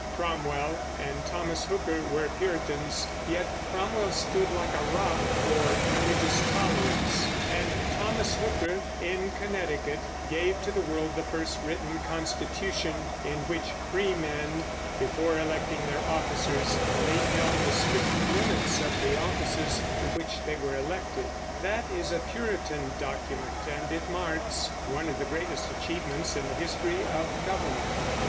Cromwell and Thomas Hooker were Puritans; yet Cromwell stood like a rock for religious tolerance; and Thomas Hooker, in Connecticut, gave to the world the first written constitution, in which freemen, before electing their officers, laid down the strict limits of the offices to which they were elected. That is a Puritan document, and it marks one of the greatest achievements in the history of government.